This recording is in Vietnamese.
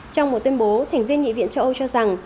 trong một tuyên bố thành viên nghị viện châu âu cho rằng